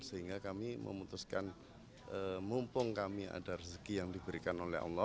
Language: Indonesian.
sehingga kami memutuskan mumpung kami ada rezeki yang diberikan